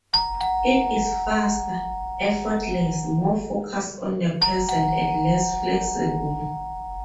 It is faster, effortless, more focused on the present, and less flexible.